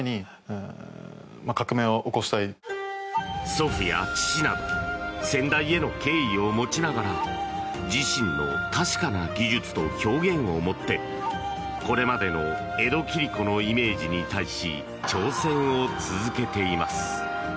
祖父や父など先代への敬意を持ちながら自身の確かな技術と表現を持ってこれまでの江戸切子のイメージに対し挑戦を続けています。